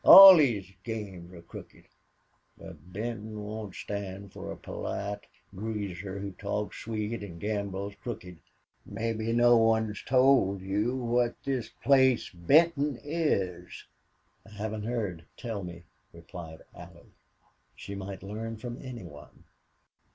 All these games are crooked. But Benton won't stand for a polite greaser who talks sweet an' gambles crooked. Mebbe' no one's told you what this place Benton is." "I haven't heard. Tell me," replied Allie. She might learn from any one.